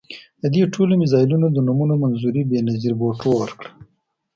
د دې ټولو میزایلونو د نومونو منظوري بېنظیر بوټو ورکړه.